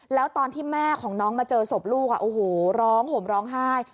แล้วตอนที่แม่ของน้องมาเจอศพลูกโอ้โหร้องห่มร้องไห้